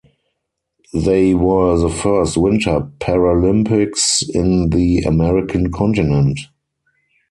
They were the first Winter Paralympics in the American continent.